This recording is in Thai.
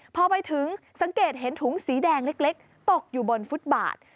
พอไปถึงสังเกตเห็นถุงสีแดงเล็กตกอยู่บนฟุตบาท